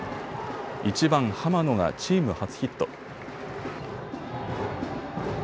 １番・濱野がチーム初ヒット。